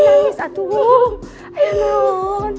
dia masih cinta sama rayyan